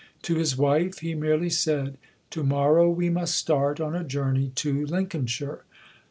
To his wife he merely said: "To morrow we must start on a journey to Lincolnshire.